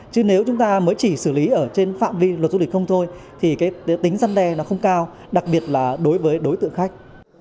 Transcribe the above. chứ nếu chúng ta mới chỉ xử lý ở trên phạm vi luật du lịch không thôi thì cái tính dân đe nó không cao đặc biệt là đối với đối tượng khách